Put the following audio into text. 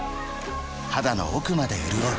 肌の奥まで潤う